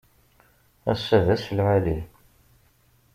Ass-a d ass lɛali.